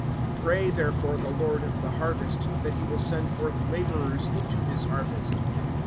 Pray therefore the Lord of the harvest, that he will send forth laborers into his harvest.